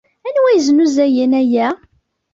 Anwa yeznuzayen aya?